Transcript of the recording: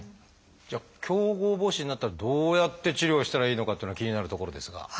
じゃあ強剛母趾になったらどうやって治療したらいいのかというのは気になるところですが。